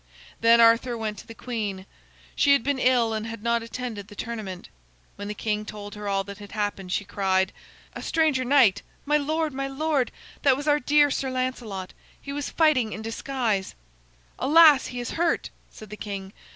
Then Arthur went to the queen. She had been ill and had not attended the tournament. When the king told her all that had happened, she cried: "A stranger knight! My lord, my lord! That was our dear Sir Lancelot. He was fighting in disguise." "Alas! he is hurt," said the king.